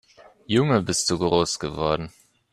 Junge, bist du groß geworden